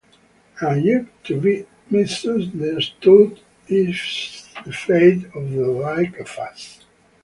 And yet to be misunderstood is the fate of the like of us.